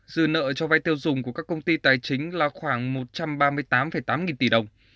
dư nợ cho vai tiêu dùng của các công ty tài chính là khoảng một trăm ba mươi tám tám nghìn tỷ đồng